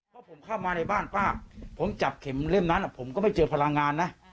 เพราะผมเข้ามาในบ้านป้าผมจับเข็มเล่มนั้นผมก็ไม่เจอพลังงานนะ